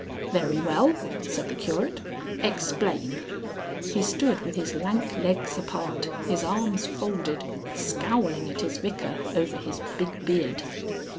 "Very well," said the Curate. "Explain!" He stood with his lank legs apart, his arms folded, scowling at his Vicar over his big beard.